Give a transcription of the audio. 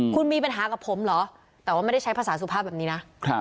คุณมีปัญหากับผมเหรอแต่ว่าไม่ได้ใช้ภาษาสุภาพแบบนี้นะ